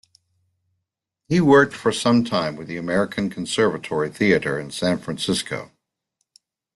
He worked for some time with the American Conservatory Theater in San Francisco.